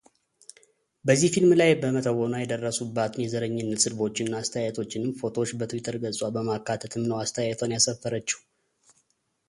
በዚህ ፊልም ላይ በመተወኗ የደረሱባትን የዘረኝነት ስድቦችና አስተያየቶችንም ፎቶዎች በትዊተር ገጿ በማካተትም ነው አስተያየቷን ያሰፈረችው።